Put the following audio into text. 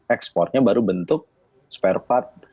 ekspornya baru bentuk spare part